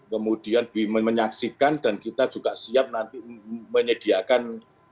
kemudian menyaksikan dan kita juga siap nanti menyediakan